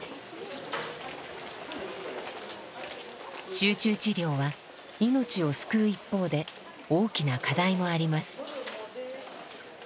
集中治療は命を救う一方で大きな課題もあります。